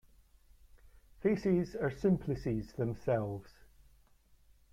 Faces are simplices themselves.